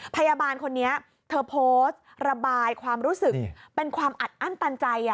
พยาบาลคนนี้เธอโพสต์ระบายความรู้สึกเป็นความอัดอั้นตันใจ